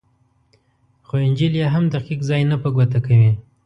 خو انجیل یې هم دقیق ځای نه په ګوته کوي.